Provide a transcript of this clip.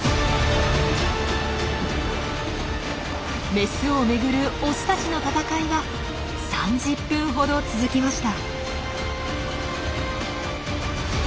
メスをめぐるオスたちの戦いは３０分ほど続きました。